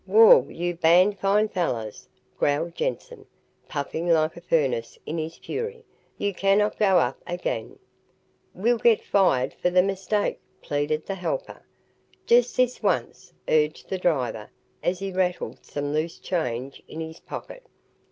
"Wall, you bane fine fallers," growled Jensen, puffing like a furnace, in his fury. "You cannot go up agane." "We'll get fired for the mistake," pleaded the helper. "Just this once," urged the driver, as he rattled some loose change in his pocket.